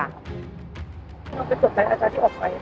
มันเป็นสุดท้ายอาจารย์ที่ออกไป